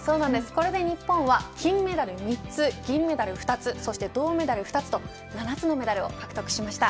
これで日本は金メダル３つ銀メダル２つそして銅メダル２つと７つのメダルを獲得しました。